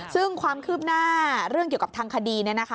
ซึ่งความคืบหน้าเรื่องเกี่ยวกับทางคดี